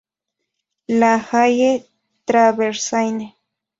La Haie-Traversaine